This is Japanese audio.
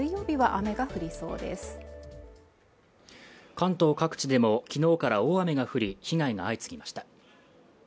関東各地でも昨日から大雨が降り、被害が相次ぎました。